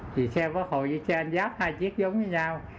vì xe bắt hồ với xe anh giáp hai chiếc giống với nhau